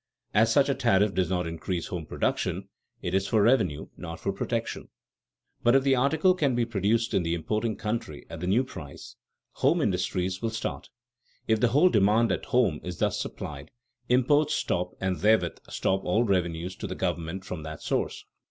As such a tariff does not increase home production, it is for revenue, not for protection. [Sidenote: Effects upon home industry] But if the article can be produced in the importing country at the new price, "home industries" will start. If the whole demand at home is thus supplied, imports stop and therewith stop all revenues to the government from that source.